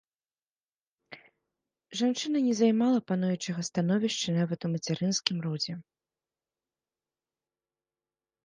Жанчына не займала пануючага становішча нават у мацярынскім родзе.